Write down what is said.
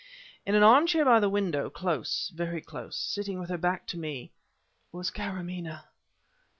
In an armchair by the window, close, very close, and sitting with her back to me, was Karamaneh!